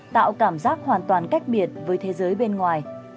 tạo cảm giác hoàn toàn cách biệt với thế giới bên ngoài